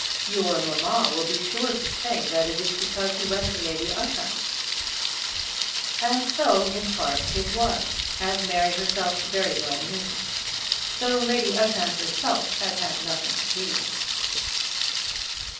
"Your mamma will be sure to say that it is because you went to Lady Ushant's." And so in part it was, as Mary herself very well knew; though Lady Ushant herself had had nothing to do with it.